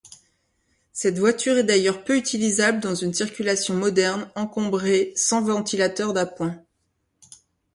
Cette voiture est d'ailleurs peu utilisable dans une circulation moderne encombrée sans ventilateur d'appoint.